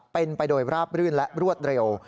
เป็นไปโดยราบรื่นและรวดเร็ว